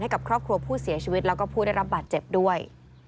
กับครอบครัวผู้เสียชีวิตแล้วก็ผู้ได้รับบาดเจ็บด้วย